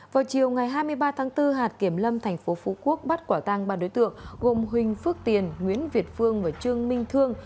vào chiều ngày hai mươi ba tháng bốn hạt kiểm lâm tp phú quốc bắt quả tăng ba đối tượng gồm huỳnh phước tiền nguyễn việt phương và trương minh thương